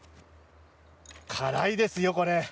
辛いですよ、これ。